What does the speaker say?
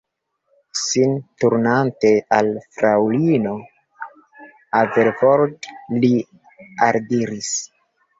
Sin turnante al fraŭlino Haverford, li aldiris: